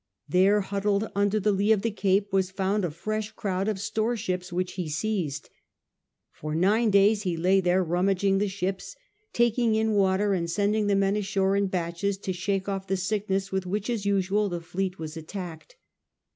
There, huddled under the lee of the Cape, was found a fresh crowd of store ships which he seized. For nine days he lay there rummaging the ships, taking in water, and sending the men ashore in batches to shake off the sickness with which, as usual, the fleet was attacked.